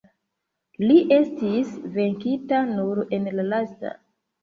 Li estis venkita nur en la lasta.